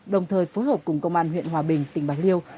đồng thời phối hợp cùng công an huyện hòa bình tỉnh bạc liêu